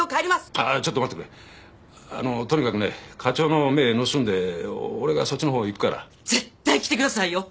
ああちょっと待ってくれあのとにかくね課長の目盗んで俺がそっちのほう行くから絶対来てくださいよ！